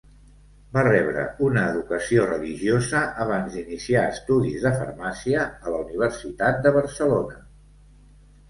Va rebre una educació religiosa abans d'iniciar estudis de farmàcia a la Universitat de Barcelona.